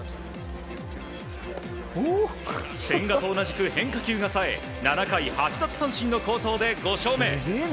千賀と同じく変化球がさえ７回８奪三振の好投で５勝目。